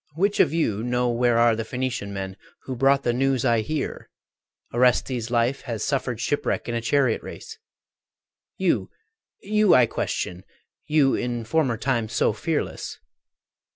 Which of you know where are the Phocian men Who brought the news I hear, Orestes' life Hath suffered shipwreck in a chariot race? You, you I question, you in former time So fearless!